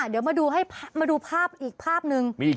เดี๋ยวมาดูภาพอีกภาพนึง